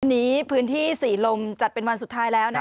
วันนี้พื้นที่ศรีลมจัดเป็นวันสุดท้ายแล้วนะคะ